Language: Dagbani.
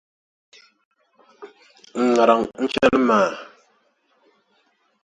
N ŋariŋ n chani maa!”.